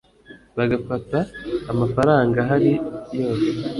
bagafata amafaranga ahari yose